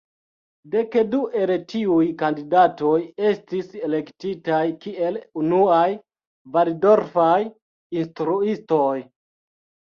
Dek du el tiuj kandidatoj estis elektitaj kiel unuaj valdorfaj instruistoj.